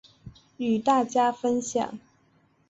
与大家分享